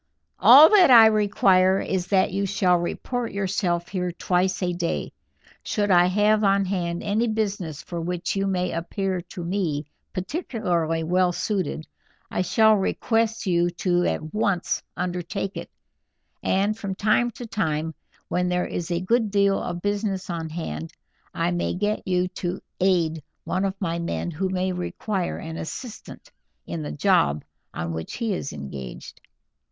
All that I require is that you shall report yourself here twice a day. Should I have on hand any business for which you may appear to me particularly well suited, I shall request you to at once undertake it, and from time to time, when there is a good deal of business on hand, I may get you to aid one of my men who may require an assistant in the job on which he is engaged."